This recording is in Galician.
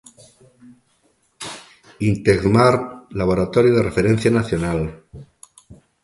Intecmar, laboratorio de referencia nacional.